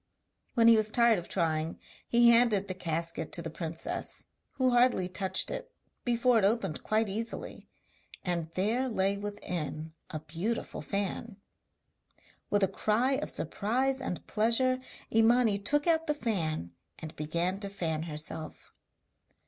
When he was tired of trying he handed the casket to the princess, who hardly touched it before it opened quite easily, and there lay within a beautiful fan. With a cry of surprise and pleasure Imani took out the fan, and began to fan herself.